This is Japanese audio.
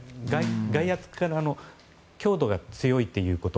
外圧からの強度が強いということ。